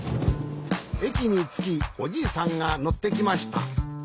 えきにつきおじいさんがのってきました。